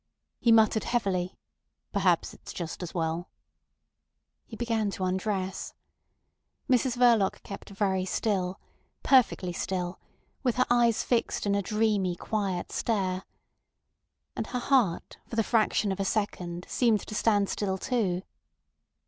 He muttered heavily: "Perhaps it's just as well." He began to undress. Mrs Verloc kept very still, perfectly still, with her eyes fixed in a dreamy, quiet stare. And her heart for the fraction of a second seemed to stand still too.